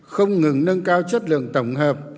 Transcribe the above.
không ngừng nâng cao chất lượng tổng hợp